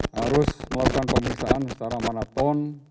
harus melakukan pemeriksaan secara maraton